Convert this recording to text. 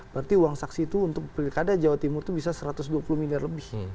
berarti uang saksi itu untuk pilkada jawa timur itu bisa satu ratus dua puluh miliar lebih